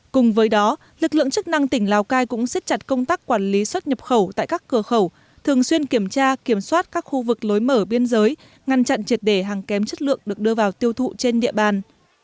cùng với đó lực lượng chức năng tỉnh lào cai cũng xiết chặt công tác quản lý xuất nhập khẩu tại các cửa khẩu thường xuyên kiểm tra kiểm soát các khu vực lối mở biên giới ngăn chặn triệt để hàng kém chất lượng được đưa vào tiêu thụ trên địa bàn